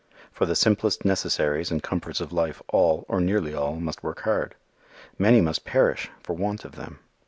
For the simplest necessaries and comforts of life all, or nearly all, must work hard. Many must perish for want of them.